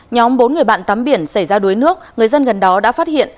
nhóm bốn người bạn tắm biển xảy ra đuối nước người dân gần đó đã phát hiện